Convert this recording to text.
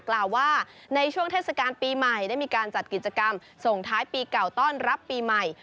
กล่าวว่าในช่วงเทศกาลปีใหม่ได้มีการจัดกิจกรรมส่งท้ายปีเก่าต้อนรับปีใหม่